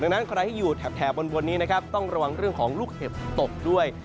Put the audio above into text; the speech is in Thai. ดังนั้นใครที่อยู่แถบบนนี้นะครับต้องระวังเรื่องของลูกเห็บตกด้วย